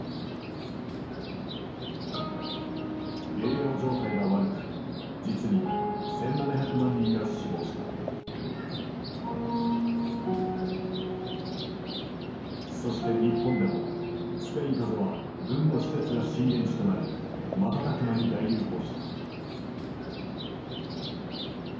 栄養状態が悪く実にそして日本でもスペイン風邪は軍の施設が震源地となり瞬く間に大流行した。